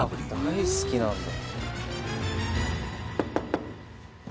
大好きなんだ